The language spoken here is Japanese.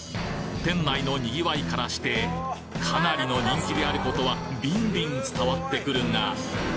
店内の賑わいからしてかなりの人気であることはビンビン伝わってくるが。